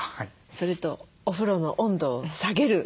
それとお風呂の温度を下げる。